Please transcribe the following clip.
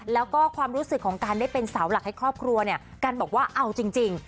แล้วก็ความรู้สึกของการได้เป็นเสาหลักให้ครอบครัวเนี่ยกันบอกว่าเอาจริง